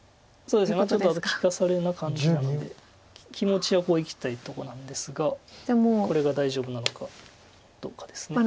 そうですねちょっと利かされな感じなので気持ちはこういきたいとこなんですがこれが大丈夫なのかどうかです。